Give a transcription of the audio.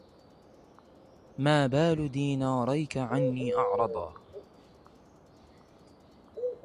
ما بال ديناريك عني أعرضا